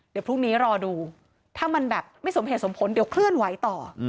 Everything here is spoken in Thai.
เดี๋ยวพรุ่งนี้รอดูถ้ามันแบบไม่สมเหตุสมผลเดี๋ยวเคลื่อนไหวต่อ